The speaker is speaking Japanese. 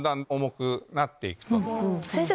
先生